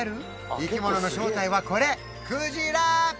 生き物の正体はこれクジラ！